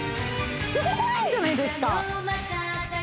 すごくないじゃないですか？